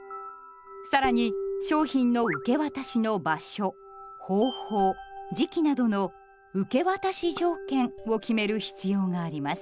更に商品の受け渡しの場所方法時期などの「受け渡し条件」を決める必要があります。